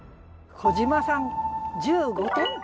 小島さん１５点。